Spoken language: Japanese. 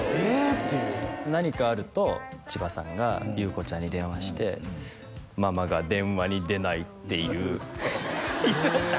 っていう何かあると千葉さんが裕子ちゃんに電話して「ママが電話に出ない」っていう言ってました？